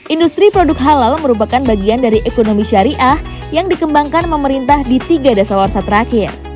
industri produk halal merupakan bagian dari ekonomi syariah yang dikembangkan pemerintah di tiga dasar warsa terakhir